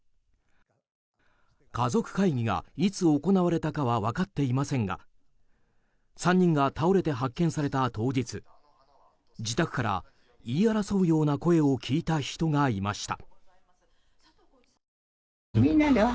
家族会議がいつ行われたかは分かっていませんが３人が倒れて発見された当日自宅から言い争うような声を聞いた人がいました。